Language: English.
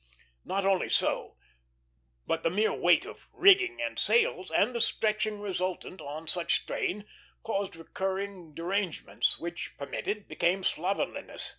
Not only so, but the mere weight of rigging and sails, and the stretching resultant on such strain, caused recurring derangements, which, permitted, became slovenliness.